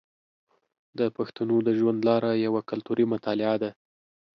د پښتنو د ژوند لاره یوه کلتوري مطالعه ده.